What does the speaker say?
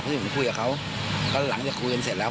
เพราะฉะนั้นผมคุยกับเขาก็หลังจะคุยกันเสร็จแล้ว